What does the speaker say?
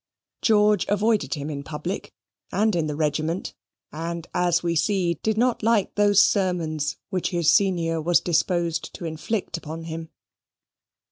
George avoided him in public and in the regiment, and, as we see, did not like those sermons which his senior was disposed to inflict upon him.